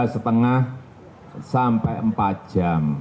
tiga lima sampai empat jam